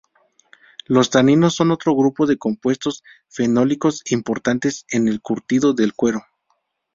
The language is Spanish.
Los taninos son otro grupo de compuestos fenólicos importantes en el curtido del cuero.